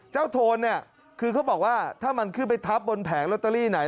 โทนเนี่ยคือเขาบอกว่าถ้ามันขึ้นไปทับบนแผงลอตเตอรี่ไหน